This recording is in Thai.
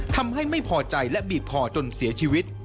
ทำให้ไม่พอใจและบีบคอจนเสียชีวิต